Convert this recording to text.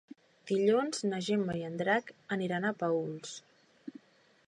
Dilluns na Gemma i en Drac aniran a Paüls.